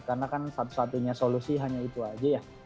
karena kan satu satunya solusi hanya itu aja ya